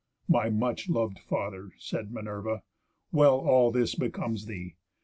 "My much lov'd father," said Minerva, "well All this becomes thee.